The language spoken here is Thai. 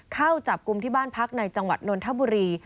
เข้าจับกลุ่มที่บ้านพักในจังหวัดนนทบุรี